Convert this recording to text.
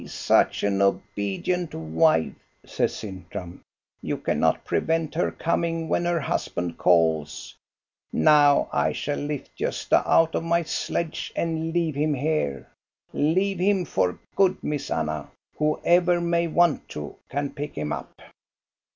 — such an obedient wife,'* says Sintram. "You cannot prevent her coming when her husband calls. Now, I shall lift Gosta out of my sledge and leave him here, — leave him for good^ Miss Anna. Whoever may want to can pick him up.